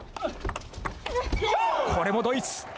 これもドイツ。